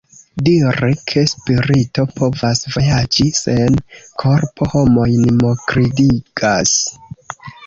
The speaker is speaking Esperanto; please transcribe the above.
Diri ke spirito povas vojaĝi sen korpo homojn mokridigas.